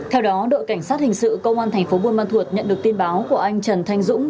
theo đó đội cảnh sát hình sự công an tp bùi măn thuột nhận được tin báo của anh trần thanh dũng